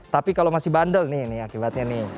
tapi kalau masih bandel nih ini akibatnya nih